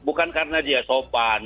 bukan karena dia sopan